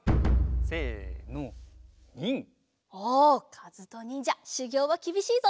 かずとにんじゃしゅぎょうはきびしいぞ。